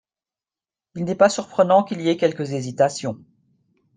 Il n’est pas surprenant qu’il y ait quelques hésitations.